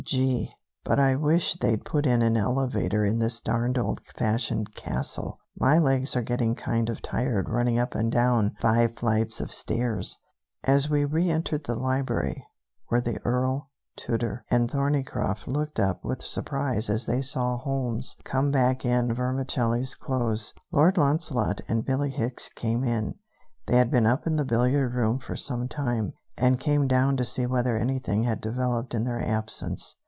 "Gee, but I wish they'd put in an elevator in this darned old fashioned castle! My legs are getting kind of tired running up and down five flights of stairs." As we reëntered the library, where the Earl, Tooter, and Thorneycroft looked up with surprise as they saw Holmes come back in Vermicelli's clothes, Lord Launcelot and Billie Hicks came in. They had been up in the billiard room for some time, and came down to see whether anything had developed in their absence.